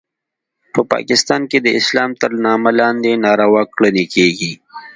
په پاکستان کې د اسلام تر نامه لاندې ناروا کړنې کیږي